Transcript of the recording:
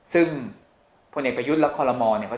ซึ่งคนเด็กประยุทธ์และคอลโรมอล์เนี่ย